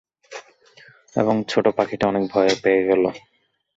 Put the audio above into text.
এবং ছোট পাখিটা অনেক ভয় পেয়ে গেল।